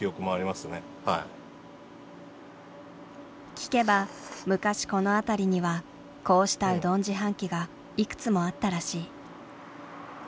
聞けば昔この辺りにはこうしたうどん自販機がいくつもあったらしい。